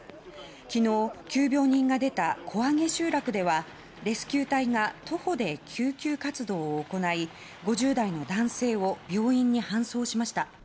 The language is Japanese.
昨日、急病人が出た小揚集落ではレスキュー隊が徒歩で救急活動を行い５０代の男性を病院に搬送しました。